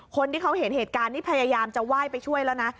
คนที่เขาเห็นเหตุการณ์นี้พยายามจะไหว้ไปช่วยแล้วนะ